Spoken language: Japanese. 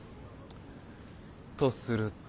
とすると。